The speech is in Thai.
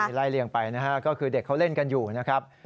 ในรายเรียงไปนะครับก็คือเด็กเขาเล่นกันอยู่นะครับ